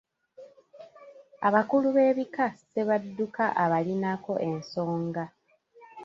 Abakulu b’ebika Ssebadduka abalinako ensonga.